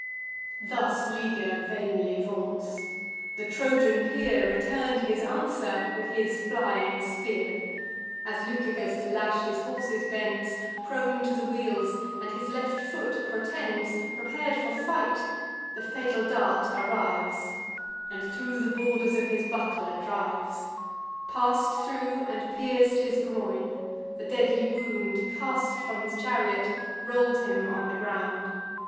Thus Liger vainly vaunts: the Trojan peer Return'd his answer with his flying spear. As Lucagus, to lash his horses, bends, Prone to the wheels, and his left foot protends, Prepar'd for fight; the fatal dart arrives, And thro' the borders of his buckler drives; Pass'd thro' and pierc'd his groin: the deadly wound, Cast from his chariot, roll'd him on the ground.